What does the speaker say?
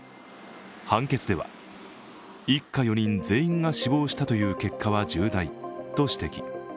判決では、一家４人全員が死亡したという結果は重大と指摘。